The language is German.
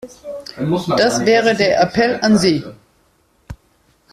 Das wäre der Appell an Sie.